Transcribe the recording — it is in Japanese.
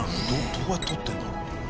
どうやって撮ってるんだろう？